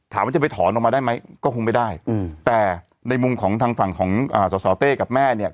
ถามว่าจะไปถอนออกมาได้ไหมก็คงไม่ได้อืมแต่ในมุมของทางฝั่งของสอสอเต้กับแม่เนี่ย